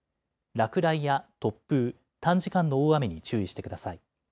落雷や突風、短時間の大雨に注意してください。